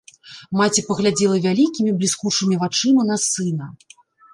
Маці паглядзела вялікімі, бліскучымі вачыма на сына.